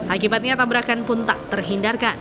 akibatnya tabrakan pun tak terhindarkan